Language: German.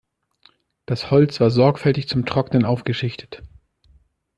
Das Holz war sorgfältig zum Trocknen aufgeschichtet.